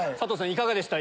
いかがでした？